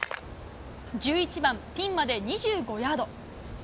１１番、ピンまで２５ヤード。